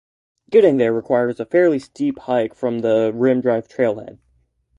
Getting there requires a fairly steep hike from the Rim Drive trailhead.